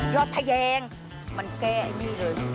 อดทะแยงมันแก้ไอ้นี่เลย